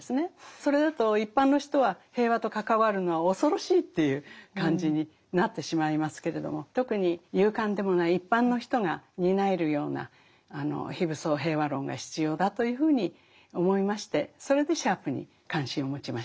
それだと一般の人は平和と関わるのは恐ろしいという感じになってしまいますけれども特に勇敢でもない一般の人が担えるような非武装平和論が必要だというふうに思いましてそれでシャープに関心を持ちました。